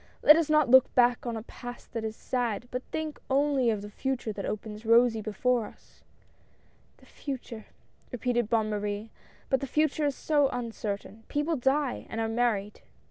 Let us not look back on a Past that is sad, but think only of the Future that opens rosy before us." " The Future !" repeated Bonne Marie ; but the Future is so uncertain — people die — and are married 5?